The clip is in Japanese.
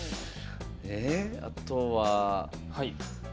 あとは。